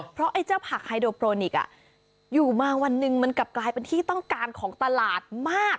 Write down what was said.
เพราะไอ้เจ้าผักไฮโดโปรนิกอยู่มาวันหนึ่งมันกลับกลายเป็นที่ต้องการของตลาดมาก